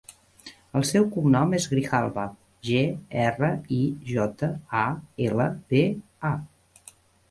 El seu cognom és Grijalba: ge, erra, i, jota, a, ela, be, a.